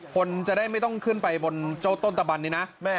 คนจะได้ไม่ต้องขึ้นไปบนเจ้าต้นตะบันนี้นะ